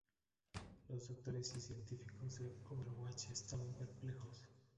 Los doctores y científicos de Overwatch estaban perplejos.